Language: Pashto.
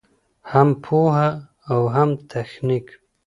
هم پوهه او هم تخنیک.